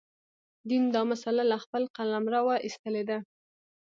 دین دا مسأله له خپل قلمروه ایستلې ده.